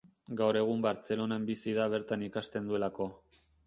Gaur egun Bartzelonan bizi da bertan ikasten duelako.